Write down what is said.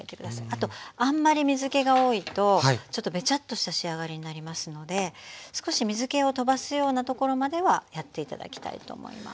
あとあんまり水けが多いとちょっとべちゃっとした仕上がりになりますので少し水けを飛ばすようなところまではやって頂きたいと思います。